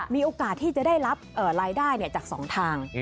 มีโอกาสที่จะได้รับรายได้จาก๒ทาง